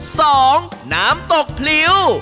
สองน้ำตกผลิว